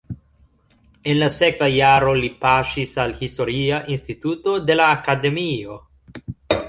En la sekva jaro li paŝis al historia instituto de la akademio.